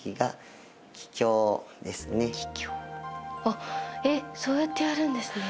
あっえっそうやってやるんですね。